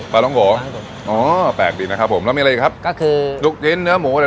แปลงร่างไปทำไปได้มั้ย